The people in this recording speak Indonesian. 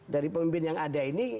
dari pemimpin yang ada ini